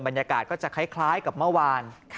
บรรยากาศก็จะคล้ายกับเมื่อวาน